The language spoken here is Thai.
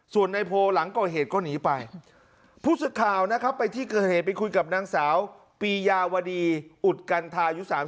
ส่วนในโพหลังก่อเหตุก็หนีไปผู้สึกข่าวนะครับไปที่เกิดเหตุไปคุยกับนางสาวปียาวดีอุดกันทายุ๓๐